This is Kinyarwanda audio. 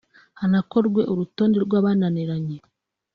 hanakorwe urutonde rw’abananiranye